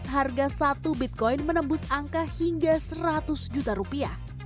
harga satu bitcoin menembus angka hingga seratus juta rupiah